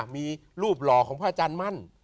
มีรูปหล่อของพระอาจารย์มั่น